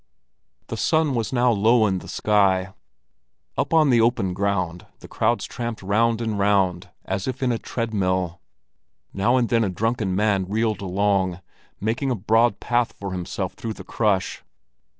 The sun was now low in the sky. Up on the open ground the crowds tramped round and round as if in a tread mill. Now and then a drunken man reeled along, making a broad path for himself through the crush.